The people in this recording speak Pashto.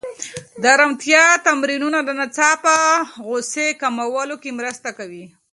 د ارامتیا تمرینونه د ناڅاپه غوسې کمولو کې مرسته کوي.